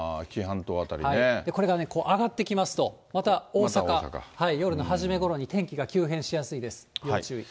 これがね、上がってきますと、また大阪、夜の初めごろに天気が急変しやすいです、要注意。